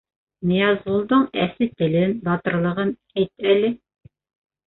— Ныязғолдоң әсе телен, батырлығын әйт әле.